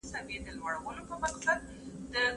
زه قلم نه استعمالوموم؟